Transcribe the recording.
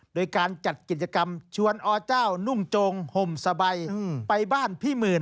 โดยการจัดกิจกรรมชวนอเจ้านุ่งโจงห่มสบายไปบ้านพี่หมื่น